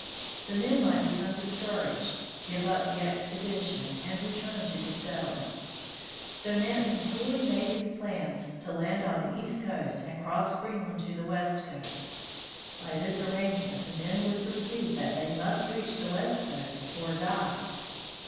The men might become discouraged, give up the expedition, and return to the settlements. So Nansen coolly made his plans to land on the east coast and cross Greenland to the west coast. By this arrangement the men would perceive that they must reach the west coast or die.